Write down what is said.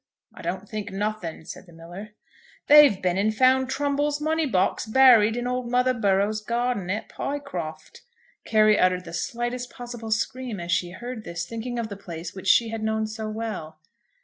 "I don't think nothing," said the miller. "They've been and found Trumbull's money box buried in old mother Burrows's garden at Pycroft." Carry uttered the slightest possible scream as she heard this, thinking of the place which she had known so well.